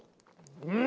うん！